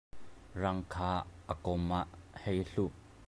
Rang kha a kawm ah hei hluh.